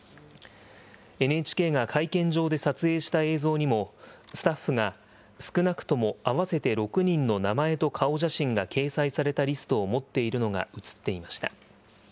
ＮＨＫが会見場で撮影した映像にも、スタッフが少なくとも合わせて６人の名前と顔写真が掲載されたリストを持っているのが写っていました。